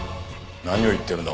何を言ってるんだ？